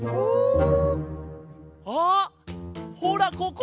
あっほらここ！